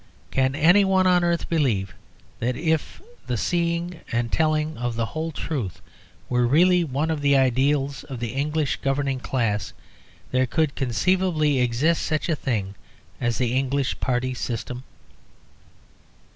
Can any one on earth believe that if the seeing and telling of the whole truth were really one of the ideals of the English governing class, there could conceivably exist such a thing as the English party system?